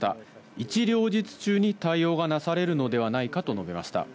一両日中に対応がなされるのではないかと述べました。